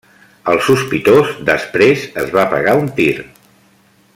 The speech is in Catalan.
El sospitós després es va pegar un tir.